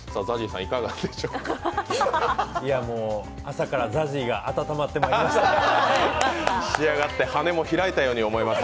いやもう、朝からＺＡＺＹが仕上がってまいりました。